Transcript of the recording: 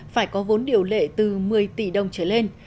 phải có vốn điều lệ từ một mươi tỷ đồng trở lên